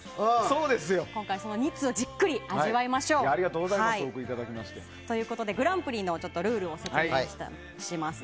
今回、その２通をじっくり味わいましょう。ということでグランプリのルールを説明しますね。